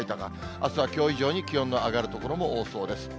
あすはきょう以上に気温の上がる所も多そうです。